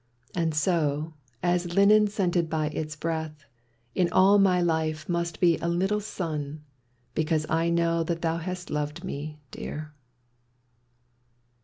And so, as linen scented by its breath, In all my life must be a little sun Because I know that thou hast loved me, Dear!